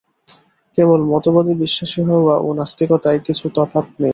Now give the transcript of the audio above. কেবল মতবাদে বিশ্বাসী হওয়া ও নাস্তিকতায় কিছু তফাত নেই।